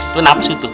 itu nafsu tuh